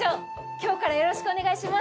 今日からよろしくお願いします。